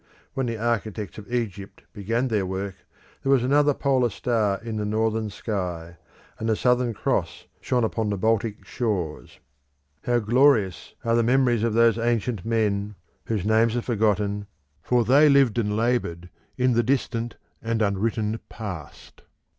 When the architects of Egypt began their work, there was another polar star in the northern sky, and the Southern Cross shone upon the Baltic shores. How glorious are the memories of those ancient men, whose names are forgotten, for they lived and laboured in the distant and unwritten past.